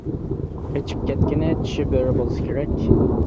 قېچىپ كەتكىنى چىشى بۆرە بولسا كېرەك.